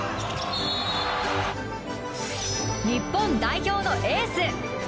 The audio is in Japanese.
日本代表のエース。